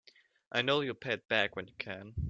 I know you'll pay it back when you can.